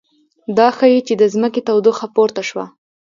دا ښيي چې د ځمکې تودوخه پورته شوه